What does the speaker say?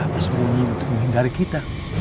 bersembunyi untuk menghindari kita